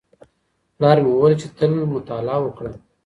پلار مې وویل چي تل مطالعه وکړه.